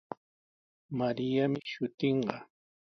Mariami shutinqa.